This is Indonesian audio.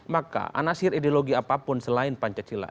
maka anasir ideologi apapun selain pancasila